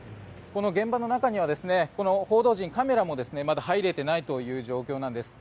この現場の中にはこの報道陣、カメラもまだ入れていないという状況なんです。